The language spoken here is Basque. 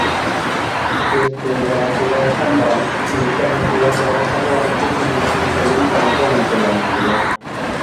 Beste era batera esanda, medikamentuak errazago hartzeko ematen zaion kanpo-antolamendua.